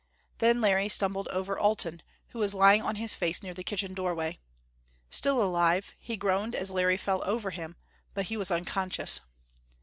Then Larry stumbled over Alten, who was lying on his face near the kitchen doorway. Still alive, he groaned as Larry fell over him; but he was unconscious.